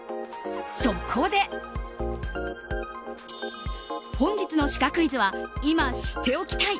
そこで本日のシカクイズは今、知っておきたい！